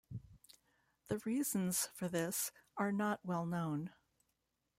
The reasons for this are not well known.